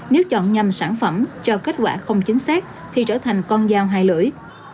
nếu chọn nhầm sản phẩm cho kết quả không chính xác thì trở thành con dao hai lưỡi